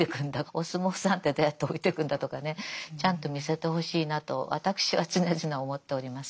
お相撲さんってどうやって老いてくんだとかねちゃんと見せてほしいなと私は常々思っております。